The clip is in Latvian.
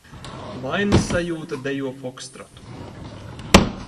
Vainas sajūta dejo fokstrotu...